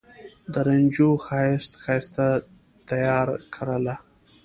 د رنجو ښایسته، ښایسته تیاره کرله